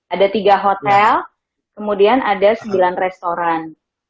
ada tiga hotel kemudian ada sembilan restoran